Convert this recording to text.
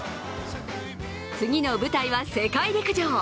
次の舞台は世界陸上。